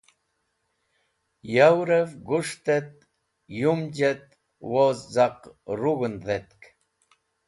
Yavrẽv gus̃htẽt yumjẽt woz caq rug̃hẽn dhetk